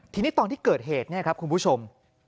ทีนี้ตอนที่เกิดเหตุคุณผู้ชม